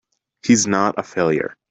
He's not a failure!